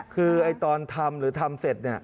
คือตอนทำหรือทำเสร็จ